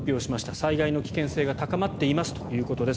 災害の危険性が高まっていますということです。